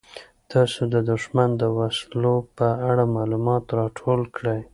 تاسو د دښمن د وسلو په اړه معلومات راټول کړئ.